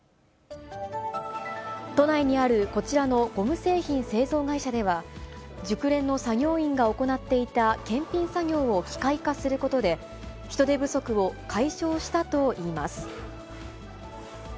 都内にあるこちらのゴム製品製造会社では、熟練の作業員が行っていた検品作業を機械化することで、人手不足を解消したといいます。